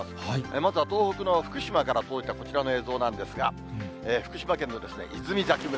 まずは東北の福島から届いたこちらの映像なんですが、福島県の泉崎村。